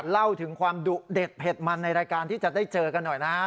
เล่าถึงความดุเด็ดเผ็ดมันในรายการที่จะได้เจอกันหน่อยนะฮะ